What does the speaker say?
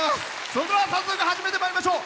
それでは、早速始めてまいりましょう。